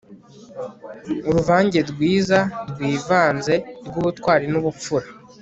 Uruvange rwiza rwivanze rwubutwari nubupfura